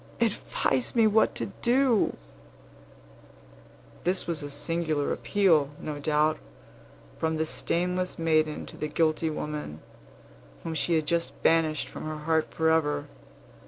Advise me what to do." This was a singular appeal, no doubt, from the stainless maiden to the guilty woman, whom she had just banished from her heart forever.